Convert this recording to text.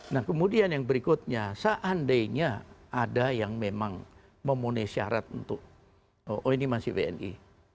nah kemudian yang berikutnya seandainya ada yang memang memenuhi syarat untuk oh ini masih wni